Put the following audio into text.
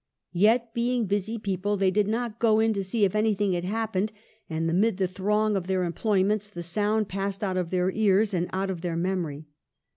Yet, being busy people, they did not go in to see if anything had happened, and amid the throng of their employments the sound passed out of their ears and out of their memory.